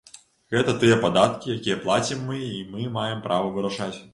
Гэта тыя падаткі, якія плацім мы і мы маем права вырашаць.